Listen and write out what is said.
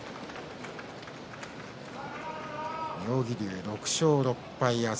妙義龍６勝６敗です。